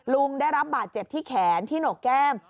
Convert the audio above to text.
ลุงได้รับบาดเจ็บที่แขนที่หนกแก้ม